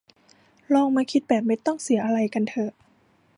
ลองมาคิดแบบไม่ต้องเสียอะไรกันเถอะ